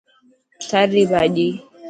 ٿر ري ڀاڄي .